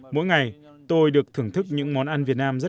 mỗi ngày tôi được thưởng thức những món ăn việt nam rất là tốt